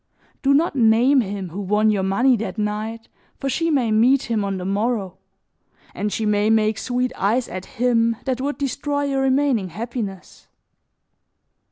Do not name him who won your money that night for she may meet him on the morrow, and she may make sweet eyes at him that would destroy your remaining happiness.